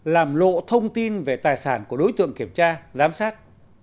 làm lộ thông tin về tài sản của đối tượng kiểm tra giám sát